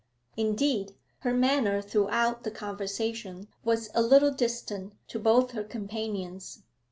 Indeed, her manner throughout the conversation was a little distant to both her companions.